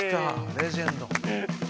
レジェンド」